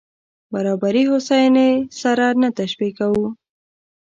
برابري هوساينې سره نه تشبیه کوو.